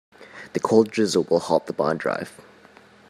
The cold drizzle will halt the bond drive.